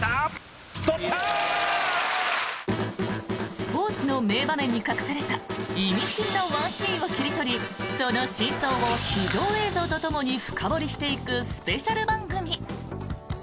スポーツの名場面に隠されたイミシンなワンシーンを切り取りその真相を秘蔵映像とともに深掘りしていくスペシャル番組。